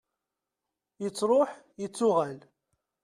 yettruḥ yettuɣal